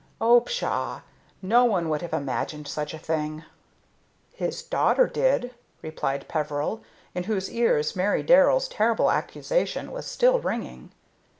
"Oh, pshaw! no one would have imagined such a thing." "His daughter did," replied Peveril, in whose ears Mary Darrell's terrible accusation was still ringing.